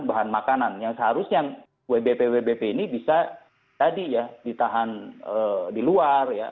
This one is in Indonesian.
bahan makanan yang seharusnya wbp wbp ini bisa tadi ya ditahan di luar ya